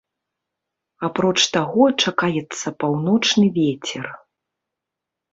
Апроч таго чакаецца паўночны вецер.